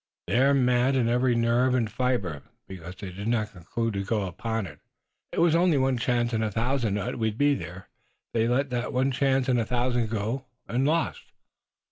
They're mad in every nerve and fiber, because they did not conclude to go upon it. It was only one chance in a thousand that we'd be there, they let that one chance in a thousand go, and lost."